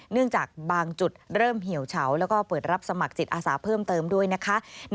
จากบางจุดเริ่มเหี่ยวเฉาแล้วก็เปิดรับสมัครจิตอาสาเพิ่มเติมด้วยนะคะ